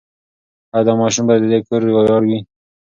ایا دا ماشوم به د دې کور ویاړ وي؟